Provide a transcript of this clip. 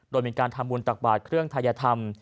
โดยมีการทำบุญตักบาทเครื่องทายธรรม